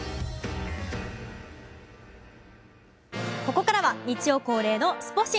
ここからは日曜恒例のスポ神。